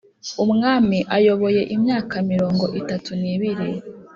Umwami ayoboye imyaka mirongo itatu n ibiri